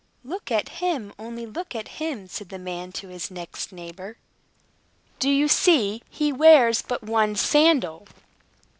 "Look at him! only look at him!" said the man to his next neighbor. "Do you see? He wears but one sandal!"